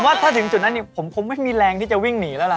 ว่าถ้าถึงจุดนั้นผมคงไม่มีแรงที่จะวิ่งหนีแล้วล่ะ